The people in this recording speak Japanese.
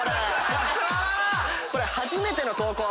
これ初めての投稿。